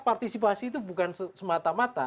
partisipasi itu bukan semata mata